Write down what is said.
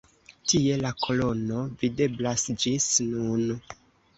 Tie la kolono videblas ĝis nun.